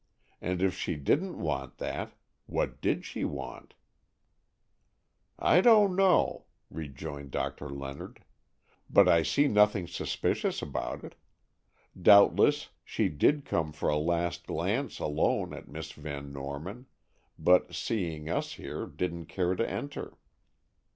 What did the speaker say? And if she didn't want that, what did she want?" "I don't know," rejoined Doctor Leonard; "but I see nothing suspicious about it. Doubtless, she did come for a last glance alone at Miss Van Norman, but, seeing us here, didn't care to enter."